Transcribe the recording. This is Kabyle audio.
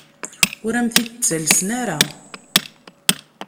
Ur am-t-id-ttalsen ara.